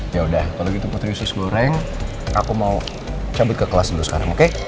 yaudah kalau gitu putri yusus goreng aku mau cabut ke kelas dulu sekarang oke